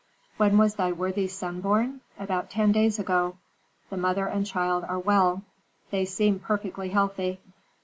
"When was thy worthy son born? About ten days ago. The mother and child are well; they seem perfectly healthy.